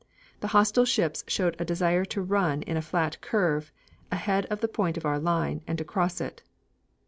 The hostile ships showed a desire to run in a flat curve ahead of the point of our line and to cross it.